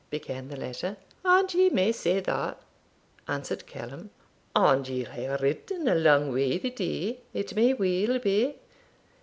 began the latter. 'And ye may say that,' answered Callum. 'And ye'll hae ridden a lang way the day, it may weel be?'